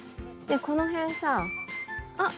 この辺さあっ